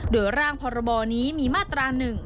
เดิร่าร่างพรบอนี้มีมาตราหนึ่ง